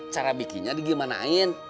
cara bikinnya digimanain